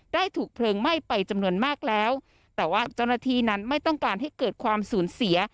ถูกเพลิงไหม้ไปจำนวนมากแล้วแต่ว่าเจ้าหน้าที่นั้นไม่ต้องการให้เกิดความสูญเสีย